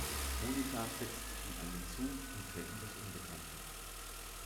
Monika setzt sich in einen Zug und fährt in das Unbekannte.